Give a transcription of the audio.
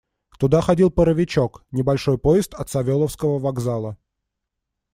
Туда ходил паровичок — небольшой поезд от Савеловского вокзала.